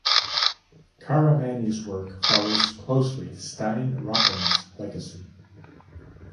Caramani’s work follows closely Stein Rokkan’s legacy.